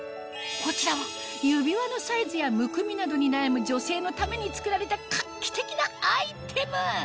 こちらは指輪のサイズやむくみなどに悩む女性のために作られた画期的なアイテム